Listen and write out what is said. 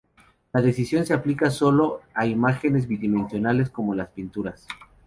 La decisión se aplica sólo a imágenes bidimensionales como las pinturas.